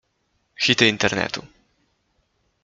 Hity internetu.